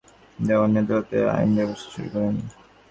তিনি বিশেষ পাণ্ডিত্য অর্জন করে দেওয়ানি আদালতে আইনব্যবসা শুরু করেন।